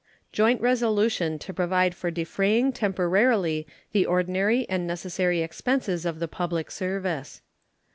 JOINT RESOLUTION to provide for defraying temporarily the ordinary and necessary expenses of the public service.